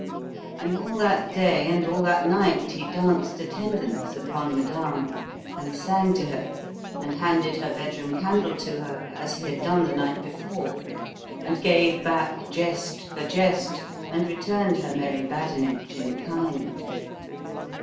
And all that day and all that night he danced attendance upon madame, and sang to her, and handed her bedroom candle to her as he had done the night before, and gave back jest for jest and returned her merry badinage in kind.